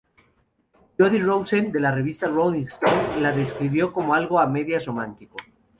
Jody Rosen de la revista "Rolling Stone" la describió como algo a medias romántico.